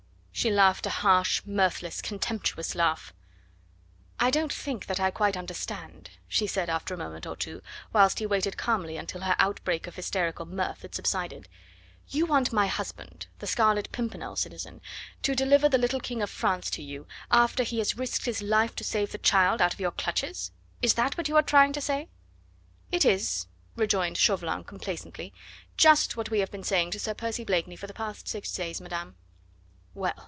She laughed a harsh, mirthless, contemptuous laugh. "I don't think that I quite understand," she said after a moment or two, whilst he waited calmly until her out break of hysterical mirth had subsided. "You want my husband the Scarlet Pimpernel, citizen to deliver the little King of France to you after he has risked his life to save the child out of your clutches? Is that what you are trying to say?" "It is," rejoined Chauvelin complacently, "just what we have been saying to Sir Percy Blakeney for the past six days, madame." "Well!